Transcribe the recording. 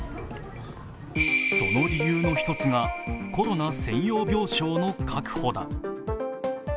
その理由の１つが、コロナ専用病床の確保だ。